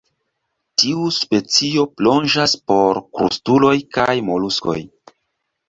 Tiu specio plonĝas por krustuloj kaj moluskoj.